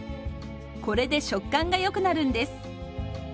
これで食感がよくなるんです。